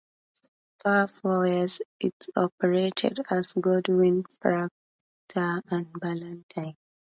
For four years it operated as Goodwin, Procter and Ballantine.